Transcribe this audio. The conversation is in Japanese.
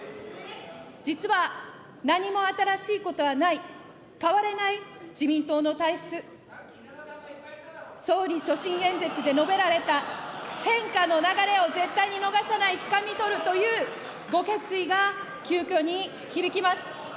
実は何も新しいことはない、変われない自民党の体質、総理所信演説で述べられた変化の流れを絶対に逃さない、つかみ取るというご決意がに響きます。